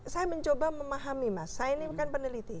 saya mencoba memahami mas saya ini bukan peneliti